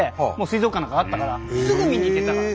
水族館なんかあったからすぐ見に行けたから。